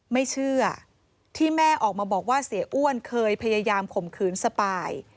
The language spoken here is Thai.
ไม่เชื่อที่แม่ออกมาบอกว่าเสียอ้วนเคยพยายามข่มขืนสปาย